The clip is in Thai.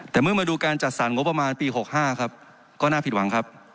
แต่เมื่อมาดูการจัดสรรงบประมาณปี๖๕ครับก็น่าผิดหวังครับ